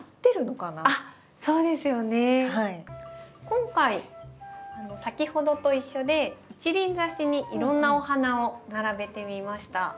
今回先ほどと一緒で一輪挿しにいろんなお花を並べてみました。